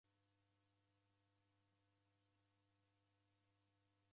Ojia Krisimasi chape chiidie jela.